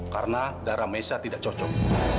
karena darah mesa tidak cocok